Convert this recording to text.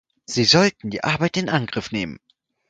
Sie sollten die Arbeit in Angriff nehmen!